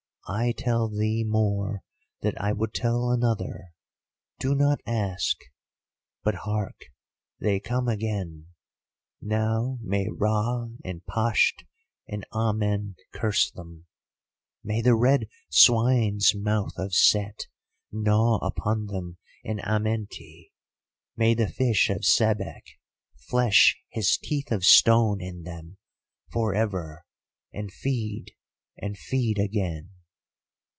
I tell thee more than I would tell another. Do not ask,—but hark! They come again! Now may Ra and Pasht and Amen curse them; may the red swine's mouth of Set gnaw upon them in Amenti; may the Fish of Sebek flesh his teeth of stone in them for ever, and feed and feed again!"